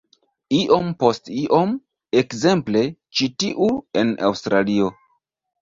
Iom post iom-- ekzemple, ĉi tiu en Aŭstralio.